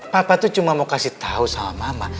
papa itu cuma mau kasih tahu sama mama